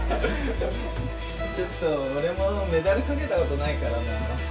ちょっと俺メダルかけたことないからな。